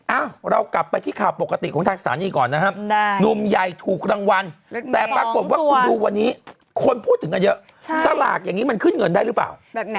เรากลับไปที่ข่าวปกติของทางสถานีก่อนนะครับหนุ่มใหญ่ถูกรางวัลแต่ปรากฏว่าคุณดูวันนี้คนพูดถึงกันเยอะสลากอย่างนี้มันขึ้นเงินได้หรือเปล่า